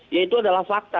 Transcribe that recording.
ya itu adalah fakta